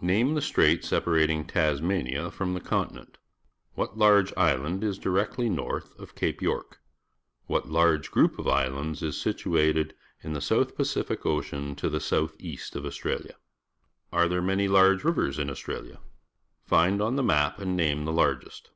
Name the strait separating Tnsmania from the continent. What large island is directly north of Cape York? What large group of islands is situated in the south Pacific Ocean to the south east of Australia? Are there many large rivers in Aus tralia? Find on the map and name the largest.